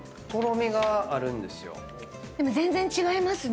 全然違いますね